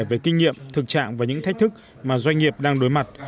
về kinh nghiệm thực trạng và những thách thức mà doanh nghiệp đang đối mặt